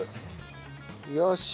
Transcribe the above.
よし。